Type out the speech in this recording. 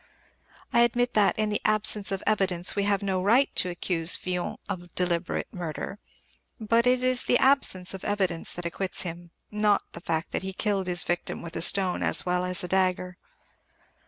I admit that, in the absence of evidence, we have no right to accuse Villon of deliberate murder. But it is the absence of evidence that acquits him, not the fact that he killed his victim with a stone as well as a dagger.